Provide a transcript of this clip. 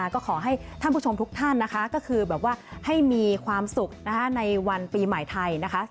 ก็ขอให้ท่านผู้ชมทุกท่านนะคะก็คือแบบว่าให้มีความสุขในวันปีใหม่ไทยนะคะ